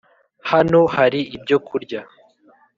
hano hari ibyo kurya